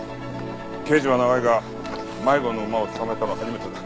刑事は長いが迷子の馬を捕まえたのは初めてだ。